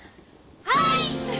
はい！